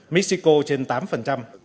mexico trên tám